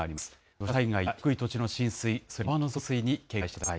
土砂災害や低い土地の浸水、それに川の増水に警戒してください。